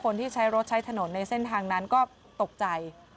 ใช้รถใช้ถนนในเส้นทางนั้นก็ตกใจ